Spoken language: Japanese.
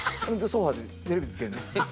ソファーでテレビつけんねん。